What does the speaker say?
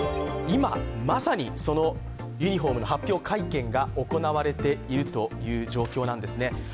今、まさにそのユニフォームの発表会見が行われているという状況なんですね。